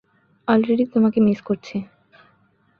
Already তোমাকে miss করছি!